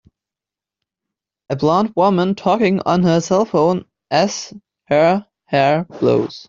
A blond woman talking on her cellphone as her hair blows